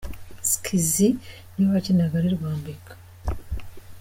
Skizzy ni we wakinaga ari Rwambika.